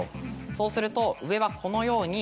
そうすると上はこのように。